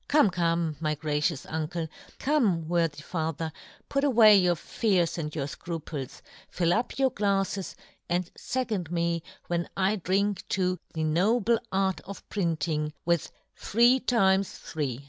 Come, " come, my gracious uncle, come, " worthy father, put away your fears, " and your fcruples ; fill up your " glafTes, and fecond me when I drink " to ' the noble art of printing,' with "* three times three.'